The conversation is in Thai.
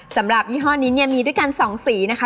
สำหรับยี่ห้อนี้เนี่ยมีด้วยกันสองสีนะคะ